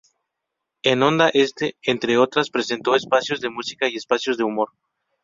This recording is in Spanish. En Onda Oeste entre otras presentó espacios de música y espacios de humor.